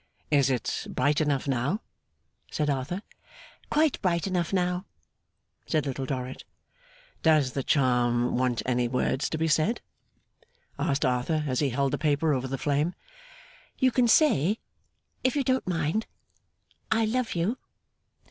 'Is it bright enough now?' said Arthur. 'Quite bright enough now,' said Little Dorrit. 'Does the charm want any words to be said?' asked Arthur, as he held the paper over the flame. 'You can say (if you don't mind) "I love you!"